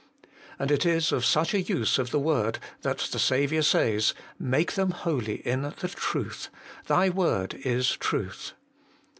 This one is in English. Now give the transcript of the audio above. And it is of such a use of the word that the Saviour says, 'Make them holy in the truth : Thy word is truth.'